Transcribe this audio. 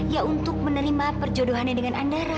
ya untuk menerima perjodohannya dengan andara